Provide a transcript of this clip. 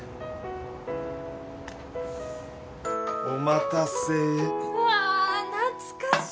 お待たせ。